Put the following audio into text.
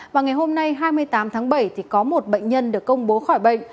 và ngày hôm nay hai mươi tám tháng bảy thì có một bệnh nhân được công bố khỏi bệnh